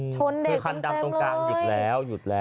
ชนเด็กเต็มเลย